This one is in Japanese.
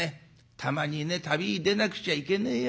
たまにね旅へ出なくちゃいけねえよ。